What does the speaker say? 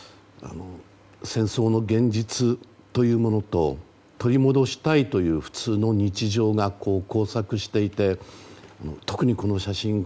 戦争の現実というものと取り戻したいという普通の日常が交錯していて特に、この写真。